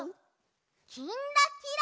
「きんらきら」。